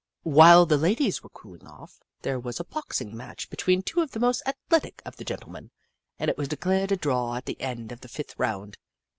While the ladies were cooling off, there was a boxing match between two of the most ath letic of the gentlemen, and it was declared a draw at the end of the fifth round.